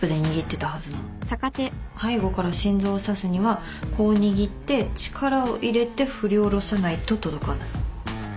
背後から心臓を刺すにはこう握って力を入れて振り下ろさないと届かない。